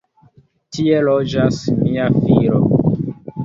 Tie loĝas mia filo.